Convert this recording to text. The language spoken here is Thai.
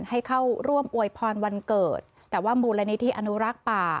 ให้เข้าร่วมอวยพรวันเกิดแต่ว่ามูลนิธิอนุรักษ์ป่า